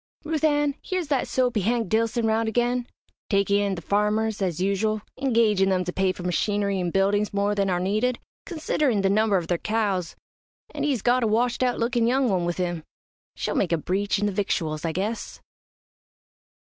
"Ruth Ann, here's that soapy Hank Dillson round again, takin' in the farmers, as usual, engagin' them to pay for machinery and buildings more than are needed, considerin' the number of their cows, an' he's got a washed out lookin' young one with him. She'll make a breach in the victuals, I guess."